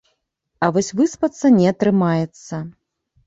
А вось выспацца не атрымаецца.